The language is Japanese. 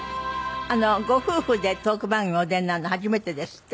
あのご夫婦でトーク番組お出になるの初めてですって？